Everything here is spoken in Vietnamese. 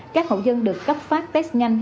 các hậu dân được cấp phát test nhanh